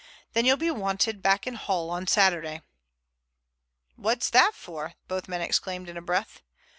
Then you'll be wanted back in Hull on Saturday." "What's that for?" both men exclaimed in a breath.